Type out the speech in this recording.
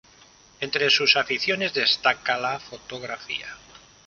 Entre sus aficiones destaca la fotografía.